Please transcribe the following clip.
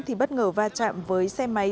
thì bất ngờ va chạm với xe máy